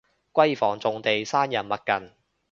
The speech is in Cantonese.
閨房重地生人勿近